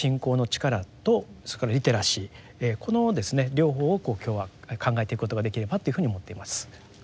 両方を今日は考えていくことができればというふうに思っています。